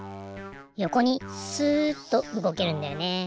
よこにすっとうごけるんだよね。